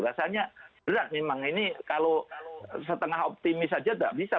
rasanya berat memang ini kalau setengah optimis saja tidak bisa